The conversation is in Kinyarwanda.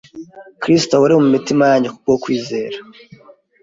Kristo ahore mu mitima yanyu ku bwo kwizera,